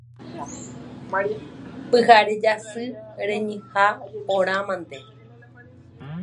Pyhare jasy renyhẽ porã mante.